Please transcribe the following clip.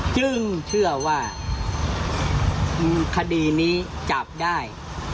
จึงเชื่อว่าคดีนี้จับได้